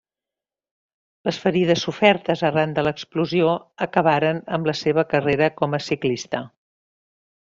Les ferides sofertes arran de l'explosió acabaren amb la seva carrera com a ciclista.